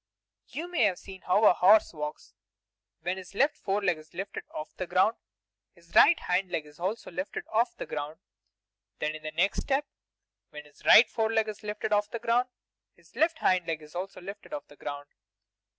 You have seen how a horse walks? When his left foreleg is lifted off the ground, his right hind leg is also lifted off the ground; then in the next step, when his right foreleg is lifted off the ground, his left hind leg is also lifted off the ground.